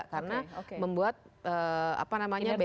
karena membuat apa namanya bumn